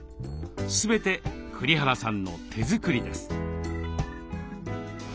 全て栗原さんの手作りです。